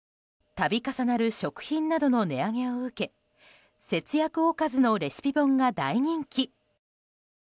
度重なる食品などの値上げを受け節約おかずのレシピ本が大人気。